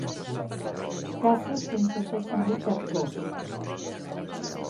Caces sense fer servir cap gos.